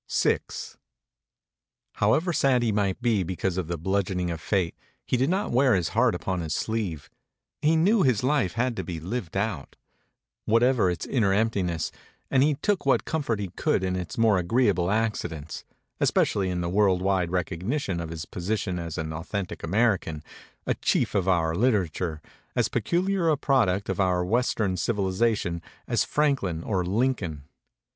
MEMORIES OF MARK TWAIN VI HOWEVER sad he might be because of the bludgeoning of fate, he did not wear his heart upon his sleeve. He knew his life had to be lived out, whatever its inner emptiness; and he took what comfort he could in its more agreeable accidents, especially in the world wide recogni tion of his position as an authentic American, a chief of our literature, as peculiar a product of our Western civilization as Franklin or Lincoln.